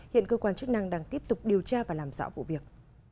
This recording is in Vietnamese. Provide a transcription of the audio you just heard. hiện cơ quan chức năng đang tiếp tục điều tra và làm rõ vụ việc